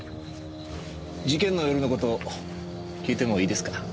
事件の夜の事訊いてもいいですか？